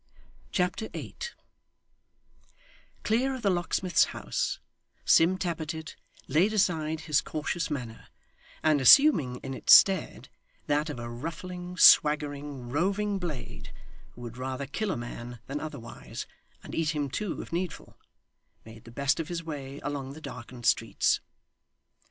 Chapter 8 Clear of the locksmith's house, Sim Tappertit laid aside his cautious manner, and assuming in its stead that of a ruffling, swaggering, roving blade, who would rather kill a man than otherwise, and eat him too if needful, made the best of his way along the darkened streets.